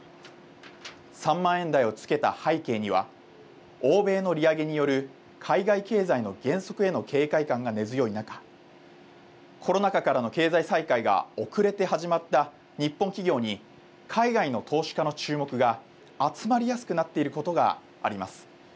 ３万円台をつけた背景には欧米の利上げによる海外経済の減速への警戒感が根強い中、コロナ禍からの経済再開が遅れて始まった日本企業に海外の投資家の注目が集まりやすくなっていることがあります。